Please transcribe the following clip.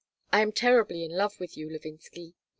I am terribly in love with you, Levinsky.